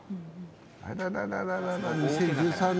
あららら２０１３年。